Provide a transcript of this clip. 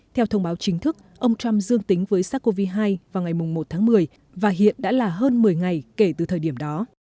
theo thông báo chính thức ông trump dương tính với sars cov hai vào ngày một tháng một mươi và hiện đã là hơn một mươi ngày kể từ thời điểm đó